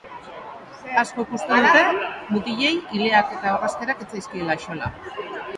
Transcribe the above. Askok uste dute mutilei ileak eta orrazkerak ez zaizkiela axola.